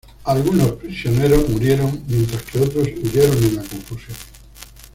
Algunos prisioneros murieron, mientras que otros huyeron en la confusión.